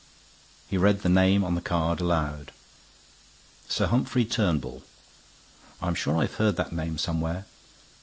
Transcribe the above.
He read the name on the card aloud. "Sir Humphrey Turnbull. I'm sure I've heard that name somewhere."